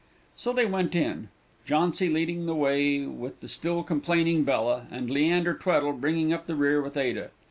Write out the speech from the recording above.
So they went in; Jauncy leading the way with the still complaining Bella, and Leander Tweddle bringing up the rear with Ada.